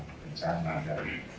kepolosan dan sebagainya